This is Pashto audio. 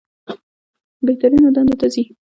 بهترینو دندو ته ځي.